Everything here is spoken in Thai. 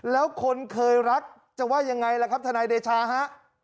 แล้วคนเคยรักจะว่ายังไงล่ะครับทนายเดชาฮะ